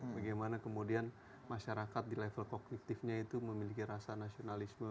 bagaimana kemudian masyarakat di level kognitifnya itu memiliki rasa nasionalisme